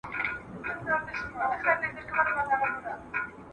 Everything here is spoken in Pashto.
که بښنه وکړو نو کوچني نه کیږو.